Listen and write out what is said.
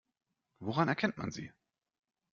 Woran erkennt man sie?